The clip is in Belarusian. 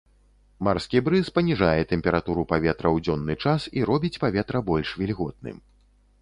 Марскі брыз паніжае тэмпературу паветра ў дзённы час і робіць паветра больш вільготным.